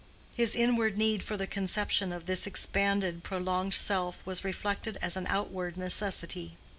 His inward need for the conception of this expanded, prolonged self was reflected as an outward necessity.